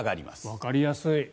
わかりやすい。